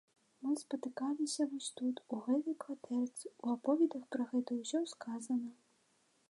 Мы спатыкаліся вось тут, у гэтай кватэрцы, у аповедах пра гэта ўсё сказана.